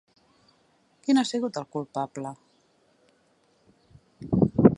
Qui n'ha sigut el culpable?